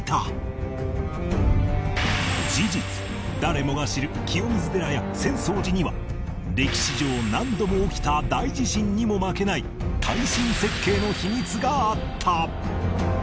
事実誰もが知る清水寺や浅草寺には歴史上何度も起きた大地震にも負けない耐震設計の秘密があった